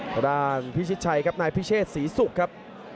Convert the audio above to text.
ตัวด้านพิชิชัยครับนายพิเชศศีสุครับ